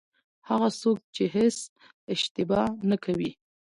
هغه څوک چې هېڅ اشتباه نه کوي.